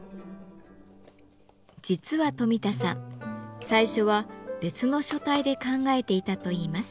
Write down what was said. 実は冨田さん最初は別の書体で考えていたといいます。